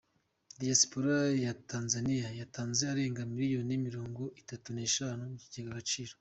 Diyasipora ya tanzaniya yatanze arenga miliyoni mirongo itatu neshatu mukigega agaciro